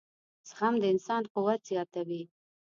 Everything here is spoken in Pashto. • زغم د انسان قوت زیاتوي.